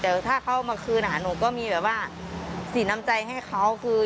แต่ถ้าเขามาคืนหนูก็มีแบบว่าสีน้ำใจให้เขาคือ